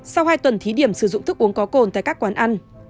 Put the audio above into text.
sau hai tuần thí điểm sử dụng thức uống có cồn tại các quán ăn